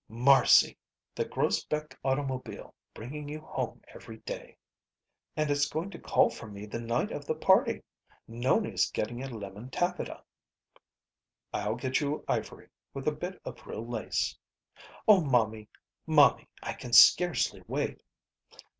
"Marcy! the Grosbeck automobile bringing you home every day!" "And it's going to call for me the night of the party. Nonie's getting a lemon taffeta." "I'll get you ivory, with a bit of real lace!" "Oh, momie, momie, I can scarcely wait!"